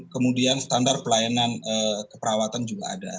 kemudian standar pelayanan keperawatan juga ada